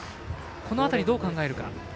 この辺りをどう考えるか。